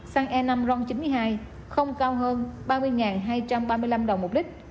xăng e năm ron chín mươi hai không cao hơn ba mươi hai trăm ba mươi năm đồng một lít